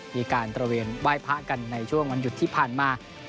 มีการตระเวนไหว้พระกันในช่วงวันหยุดที่ผ่านมา